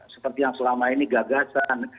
seperti yang selama ini gagasan